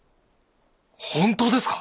本当ですか！？